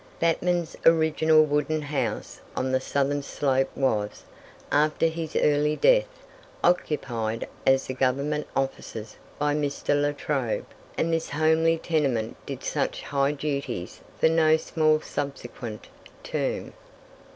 Batman's original wooden house on the southern slope was, after his early death, occupied as the Government offices by Mr. La Trobe, and this homely tenement did such high duties for no small subsequent term.